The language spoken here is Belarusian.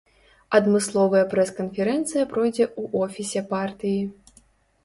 Адмысловая прэс-канферэнцыя пройдзе ў офісе партыі.